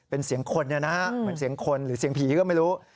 เป็นเสียงคนเนี่ยนะฮะเหมือนเสียงคนหรือเสียงผีก็ไม่รู้